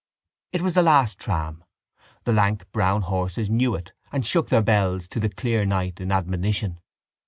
It was the last tram. The lank brown horses knew it and shook their bells to the clear night in admonition.